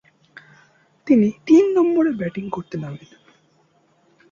তিনি তিন নম্বরে ব্যাটিং করতে নামেন।